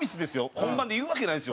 本番で言うわけないですよ